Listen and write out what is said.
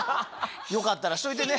よかったらしといてね。